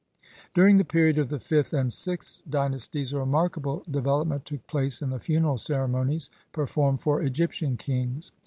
During the period of the fifth and sixth dynasties a remarkable development took place in the funeral ceremonies performed for Egyptian kings.